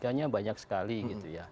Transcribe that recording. kerjanya banyak sekali gitu ya